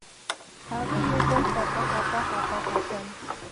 هغوی یو بل ته خپه خپه کتل.